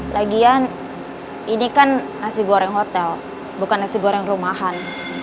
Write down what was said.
lagian ini kan nasi goreng hotel bukan nasi goreng rumahan